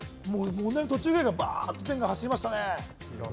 途中からバーッとペンが走りましたね。